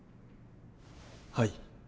はい。